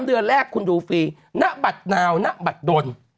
เดือนแรกคุณดูฟรีณบัตรนาวณบัตรดน